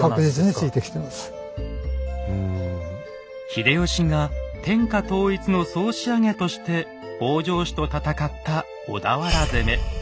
秀吉が天下統一の総仕上げとして北条氏と戦った「小田原攻め」。